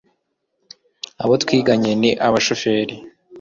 Abo twiganye ni abashoferi